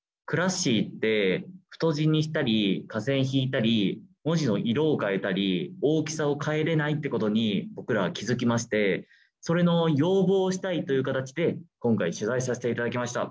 「Ｃｌａｓｓｉ」って太字にしたり下線引いたり文字の色を変えたり大きさを変えれないってことに僕らは気付きましてそれの要望をしたいという形で今回取材させて頂きました。